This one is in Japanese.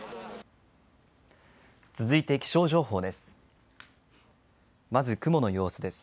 続いて気象情報です。